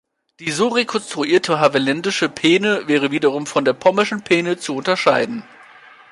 Die so rekonstruierte havelländische Peene wäre wiederum von der pommerschen Peene zu unterscheiden.